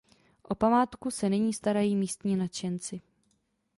O památku se nyní starají místní nadšenci.